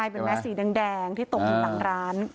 เป็นแม่สีแดงที่ตกขึ้นต่างร้าน